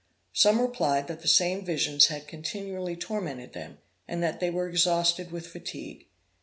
Some replied, that the same visions had continually tormented them, and that they were exhausted with fatigue.